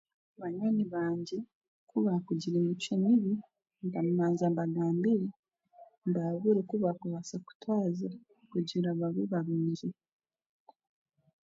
Banywani bangye kubaakugira emicwe mibi, ndabanza mbagambire, mbahabure kubaakubaasa kutwaza, kugira babe barungi